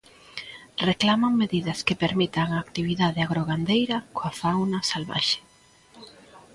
Reclaman medidas que permitan a actividade agrogandeira coa fauna salvaxe.